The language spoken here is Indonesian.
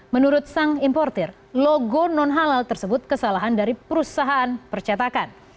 menurut sang importer logo non halal tersebut kesalahan dari perusahaan percetakan